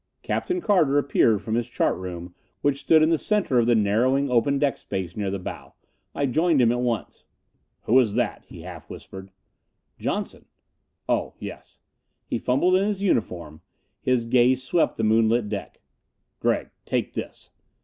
Captain Carter appeared from his chart room which stood in the center of the narrowing open deck space near the bow. I joined him at once. "Who was that?" he half whispered. "Johnson." "Oh, yes." He fumbled in his uniform; his gaze swept the moonlit deck. "Gregg take this."